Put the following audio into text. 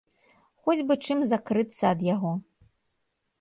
Хоць бы чым закрыцца ад яго.